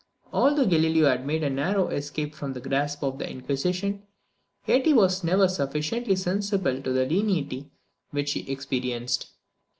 Although Galileo had made a narrow escape from the grasp of the Inquisition, yet he was never sufficiently sensible of the lenity which he experienced.